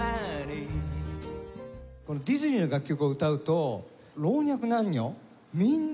ディズニーの楽曲を歌うと老若男女みんなウェルカムでね。